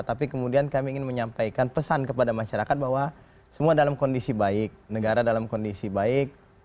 tapi kemudian kami ingin menyampaikan pesan kepada masyarakat bahwa semua dalam kondisi baik negara dalam kondisi baik